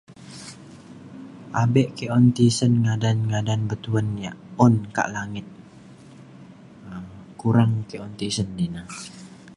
abek ke un tisen ngadan ngadan bituen ia’ un ka langit um kurang ke un tisen ina